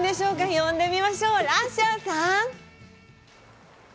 呼んでみましょう、ラッシャーさん！